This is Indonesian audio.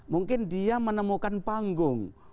mungkin dia menemukan panggung